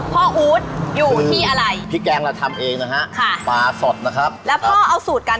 ปาช่อนคือว่าเขาถูกกับห่อหมกมากครับ